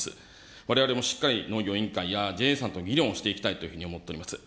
われわれもしっかり農業委員会やＪＡさんと議論をしていきたいというふうに思っております。